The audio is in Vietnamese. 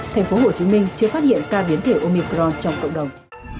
tp hcm chưa phát hiện ca biến thể omicron trong cộng đồng